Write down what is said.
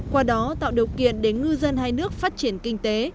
qua đó tạo điều kiện để ngư dân hai nước phát triển kinh tế